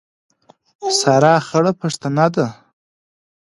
سارا خړه پښتنه ده.